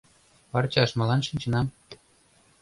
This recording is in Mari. Парчаш молан шинчынам?